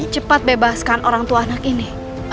cepat bebaskan orang tua anak ini